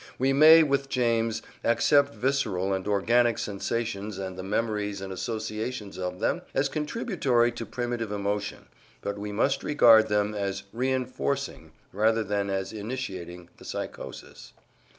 We may with James accept visceral and organic sensations and the memories and associations of them as contributory to primitive emotion, but we must regard them as re enforcing rather than as initiating the psychosis."